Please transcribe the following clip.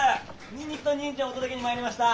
ニンニクとニンジンをお届けに参りました。